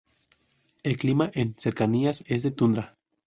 El clima en cercanías es de tundra.